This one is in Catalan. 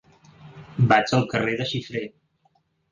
Vaig al carrer de Xifré.